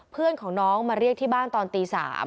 เพื่อนของน้องมาเรียกที่บ้านตอนตี๓